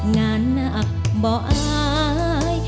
งานนักบ่อย